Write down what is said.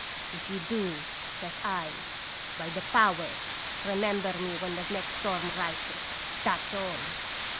'"If you do,' says I, 'by the powers! re member me when the next storm rises, that 's all!'